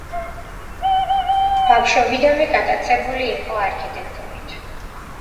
ბავშვობიდანვე გატაცებული იყო არქიტექტურით.